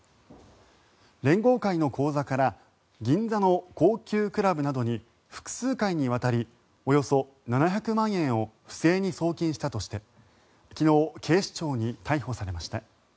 連合会の口座から銀座の高級クラブなどに複数回にわたりおよそ７００万円を不正に送金したとして昨日、警視庁に逮捕されました。